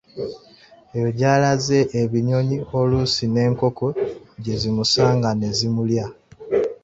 Eyo gy'alaze, ebinnyonyi, oluusi n'enkoko gye zimusanga ne zimulya.